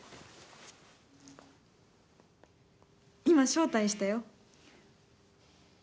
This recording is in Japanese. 今招待したよ。